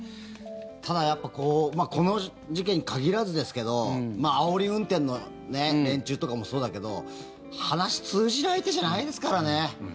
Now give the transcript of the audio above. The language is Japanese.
ただ、やっぱりこの事件に限らずですけどあおり運転の連中とかもそうだけど話通じる相手じゃないですからね。